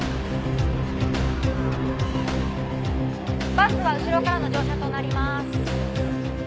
バスは後ろからの乗車となります。